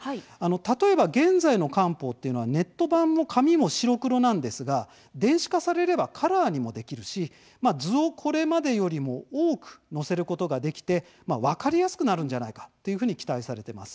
例えば、現在の官報はネット版も紙も白黒なんですが電子化されればカラーにもできるし図をこれまでよりも多く載せることができて分かりやすくなるんじゃないかと期待されています。